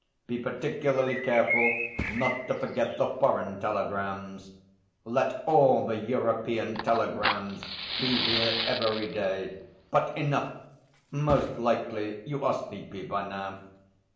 Be particularly careful not to forget the foreign telegrams. Let all the European telegrams be here every day. But enough; most likely you are sleepy by now.